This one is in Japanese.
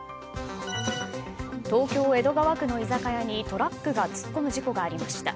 東京・江戸川区の居酒屋にトラックが突っ込む事故がありました。